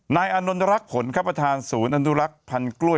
นายอานนทรักผลครับประธานศูนย์อนุรักษ์พันธ์กล้วย